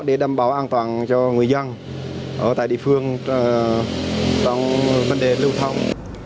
để đảm bảo an toàn cho người dân ở tại địa phương trong vấn đề lưu thông